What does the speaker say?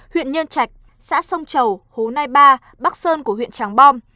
huyện nhân trạch xã sông chầu hồ nai ba bắc sơn của huyện tràng bom